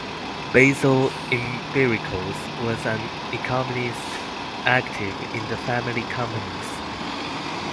Basil Embiricos was an economist active in the family companies.